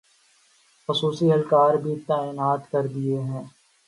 خصوصی اہلکار بھی تعینات کردیئے ہیں